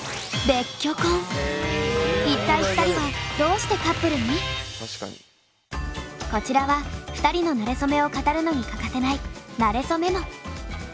一体２人はこちらは２人のなれそめを語るのに欠かせない「なれそメモ」。